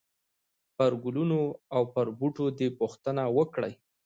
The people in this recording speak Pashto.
پرګلونو او پر بوټو دي، پوښتنه وکړئ !!!